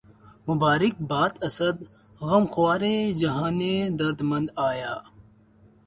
مبارک باد اسد، غمخوارِ جانِ درد مند آیا